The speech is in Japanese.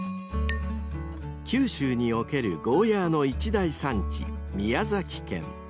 ［九州におけるゴーヤーの一大産地宮崎県］